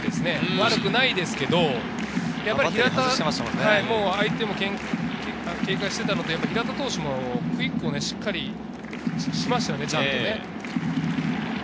悪くないですけれど、相手も警戒していたので、平田投手もクイックをしっかりしましたね。